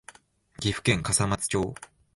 岐阜県笠松町